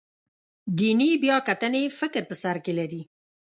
دیني بیاکتنې فکر په سر کې لري.